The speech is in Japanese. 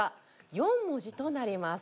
４文字となります。